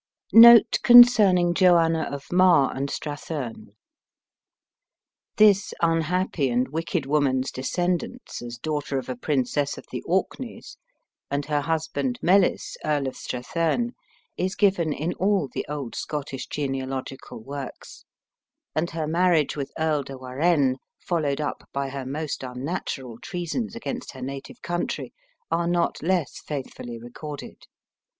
NOTE CONCERNING JOANNA OF MAR AND STRATHEARN. This unhappy and wicked woman's descendance, as daughter of a Princess of the Orkneys, and her husband, Mellis, Earl of Strathearn, is given in all the old Scottish genealogical words, and her marriage with Earl de Warenne, followed up by her most unnatural treasons against her native country, are not less faithfully recorded.